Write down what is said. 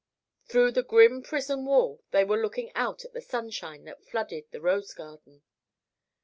Through the grim prison wall they were looking out at the sunshine that flooded the rose garden.